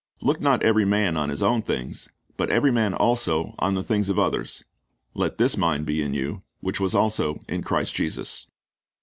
Look not every man on his own things, but every man also on the things of others. Let this mind be in you, which was also in Christ Jesus."